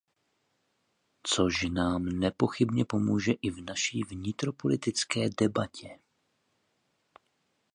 Což nám nepochybně pomůže i v naší vnitropolitické debatě.